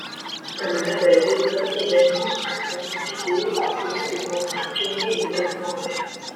Le label développe également son catalogue vidéo, composé de concerts filmés et de documentaires.